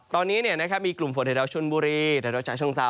ตอนนี้มีกลุ่มฝนทะเทาชุนบุรีทะเทาชะชงเซา